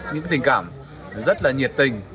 những tình cảm rất là nhiệt tình